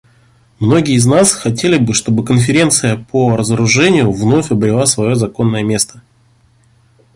Многие из нас хотели бы, чтобы Конференция по разоружению вновь обрела свое законное место.